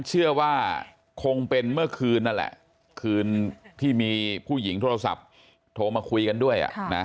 เชื่อว่าคงเป็นเมื่อคืนนั่นแหละคืนที่มีผู้หญิงโทรศัพท์โทรมาคุยกันด้วย